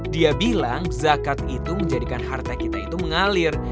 dia bilang zakat itu menjadikan harta kita itu mengalir